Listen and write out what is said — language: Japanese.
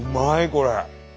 これ。